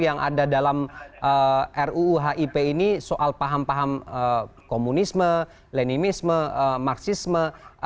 yang ada dalam ruu hip ini soal paham paham komunisme lenimisme marxisme